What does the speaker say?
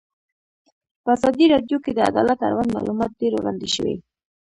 په ازادي راډیو کې د عدالت اړوند معلومات ډېر وړاندې شوي.